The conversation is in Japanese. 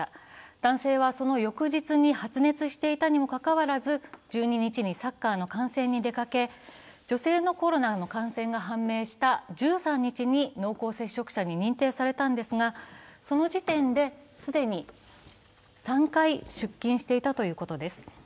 男性はその翌日に発熱していたにもかかわらず１２日にサッカーの観戦に出かけ、女性のコロナの感染が判明した１３日に濃厚接触者に認定されたんですが、その時点で既に３回出勤していたということです。